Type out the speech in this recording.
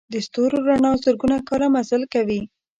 د ستورو رڼا زرګونه کاله مزل کوي.